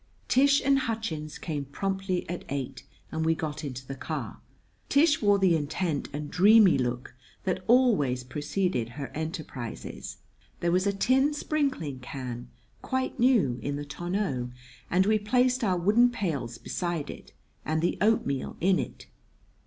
Tish and Hutchins came promptly at eight and we got into the car. Tish wore the intent and dreamy look that always preceded her enterprises. There was a tin sprinkling can, quite new, in the tonneau, and we placed our wooden pails beside it and the oatmeal in it.